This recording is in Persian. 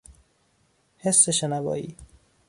حس شنوایی